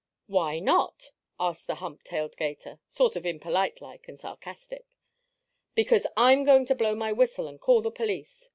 "Why not?" asked the hump tailed 'gator, sort of impolite like and sarcastic. "Because I'm going to blow my whistle and call the police!"